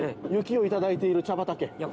雪を頂いている茶畑。